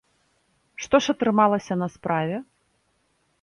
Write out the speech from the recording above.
Што ж атрымалася на справе?